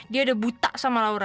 dia ada buta sama laura